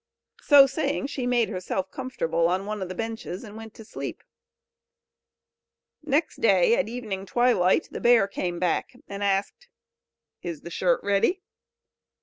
So saying, she made herself comfortable on one of the benches, and went to sleep. Next day, at evening twilight, the bear came back, and asked: "Is the shirt ready?"